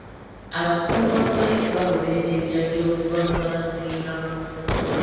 Abakungu ba poliisi bagoberera ebiragiro okuva mu babasingako.